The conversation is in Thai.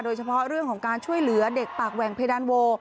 โดยเฉพาะเรื่องของการช่วยเหลือเด็กปากแหว่งเพดานโว